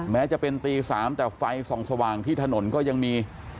แม้จะเป็นตี๓แต่ไฟส่องสว่างที่ถนนก็ยังมี